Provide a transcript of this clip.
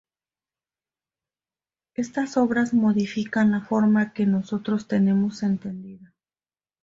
Estas obras modificaban la forma que nosotros tenemos entendida.